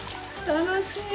楽しい。